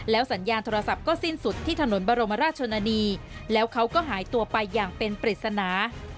สัญญาณโทรศัพท์ก็สิ้นสุดที่ถนนบรมราชชนนานีแล้วเขาก็หายตัวไปอย่างเป็นปริศนา